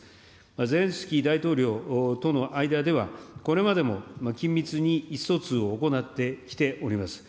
ゼレンスキー大統領との間では、これまでも緊密に意思疎通を行ってきております。